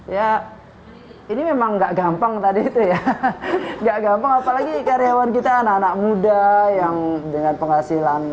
ya ini memang nggak gampang tadi itu ya nggak gampang apalagi karyawan kita anak anak muda yang dengan penghasilan